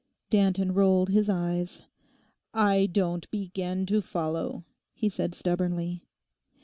Danton rolled his eyes. 'I don't begin to follow,' he said stubbornly.